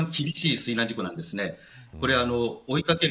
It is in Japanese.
戻り流れは一番厳しい水難事故です。